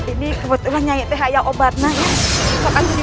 ini kebetulan nyanyi teh ayam obatnya